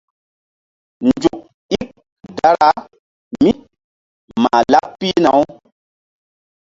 Nzuk ík dara mí mah laɓ pihna-u.